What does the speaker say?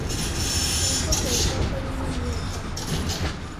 Enkoko ekookolima ennyo etama.